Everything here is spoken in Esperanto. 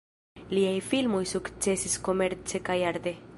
Liaj filmoj sukcesis komerce kaj arte.